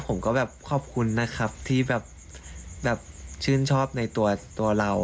ผมก็แบบขอบคุณนะครับที่แบบชื่นชอบในตัวเรา